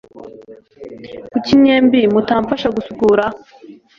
Kuki mwembi mutamfasha gusukura?